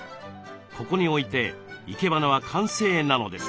ここに置いて生け花は完成なのです。